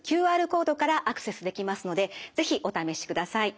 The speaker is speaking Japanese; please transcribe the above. ＱＲコードからアクセスできますので是非お試しください。